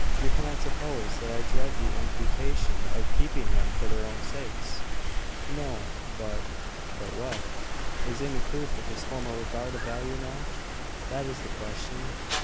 You cannot suppose that I dread the imputation of keeping them for their own sakes!" "No: but " "But what?" "Is any proof of his former regard of value now? That is the question.